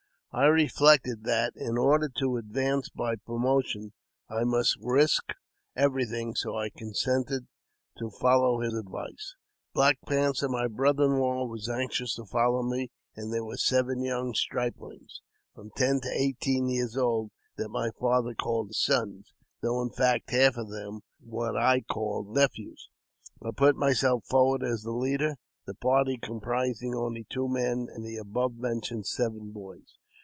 I reflected that, in order to advance by promotion, I must risk everything ; so I consented to follow his advice. " Black Panther," my brother in law, was anxious to follow me, and there were seven young striplings, from ten to eighteen years old, that my father called his sons, though, in fact, half of them were what I called nephews. I put myself forward as the leader, the party comprising only two men and the above mentioned seven boys.